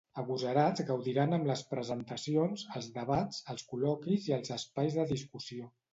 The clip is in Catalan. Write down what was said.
Agosarats gaudiran amb les presentacions, els debats, els col·loquis i els espais de discussió.